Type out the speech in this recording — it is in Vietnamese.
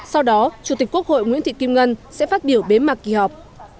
sau đó chủ tịch quốc hội nguyễn thị kim ngân sẽ phát biểu bế mạc kỳ họp